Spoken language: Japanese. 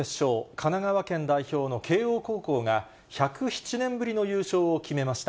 神奈川県代表の慶応高校が１０７年ぶりの優勝を決めました。